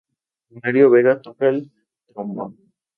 Mario Vega toca el trombón.